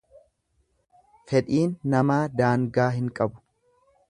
Fedhiin namaa daangaa hin qabu.